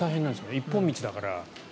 一本道だから。